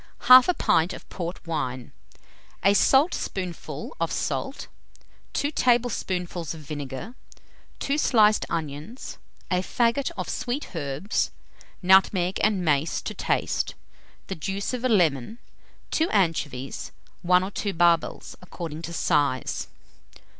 1/2 pint of port wine, a saltspoonful of salt, 2 tablespoonfuls of vinegar, 2 sliced onions, a faggot of sweet herbs, nutmeg and mace to taste, the juice of a lemon, 2 anchovies; 1 or 2 barbels, according to size.